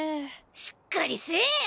しっかりせーや！